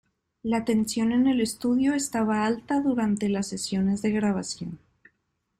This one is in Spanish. La tensión en el estudio estaba alta durante las sesiones de grabación.